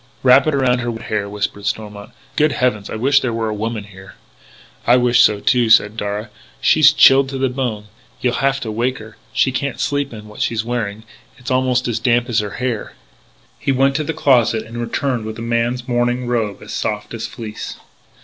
"Wrap it around her wet hair," whispered Stormont. "Good heavens, I wish there were a woman here." "I wish so too," said Darragh; "she's chilled to the bone. You'll have to wake her. She can't sleep in what she's wearing; it's almost as damp as her hair " He went to the closet and returned with a man's morning robe, as soft as fleece.